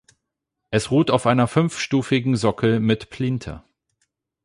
Es ruht auf einer fünfstufigen Sockel mit Plinthe.